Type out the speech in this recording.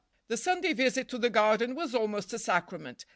The Sunday visit to the garden was almost a sacrament.